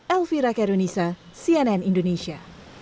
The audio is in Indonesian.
elvira karunisa cnn indonesia